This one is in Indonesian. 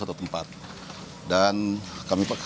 sehingga kalau lokasinya kewynnene seperti ini